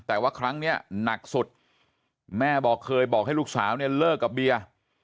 แต่ว่าครั้งนี้หนักสุดแม่บอกเคยบอกให้ลูกสาวเนี่ยเลิกกับเบียร์